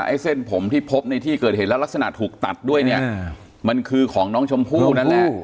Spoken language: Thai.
เส้นผมที่พบในที่เกิดเหตุแล้วลักษณะถูกตัดด้วยเนี่ยมันคือของน้องชมพู่นั่นแหละ